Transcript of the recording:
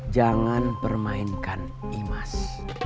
jangan permainkan imas